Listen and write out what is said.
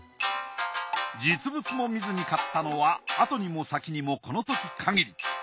実物も見ずに買ったのはあとにも先にもこのとき限り。